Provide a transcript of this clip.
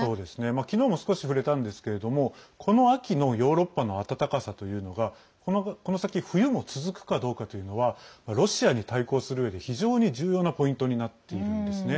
昨日も少し触れたんですけどもこの秋のヨーロッパの暖かさというのがこの先、冬も続くかどうかというのはロシアに対抗するうえで重要なポイントになっているんですね。